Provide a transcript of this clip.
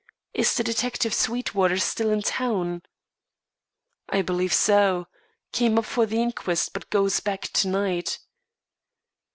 Is the detective Sweetwater still in town?" "I believe so. Came up for the inquest but goes back to night."